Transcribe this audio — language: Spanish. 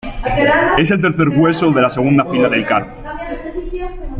Es el tercer hueso de la segunda fila del carpo.